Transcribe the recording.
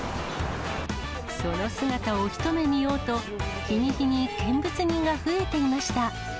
その姿を一目見ようと、日に日に見物人が増えていました。